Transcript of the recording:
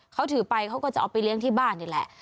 เขาถือไปเขาก็จะเอาไปเลี้ยงที่บ้านนี่แหละ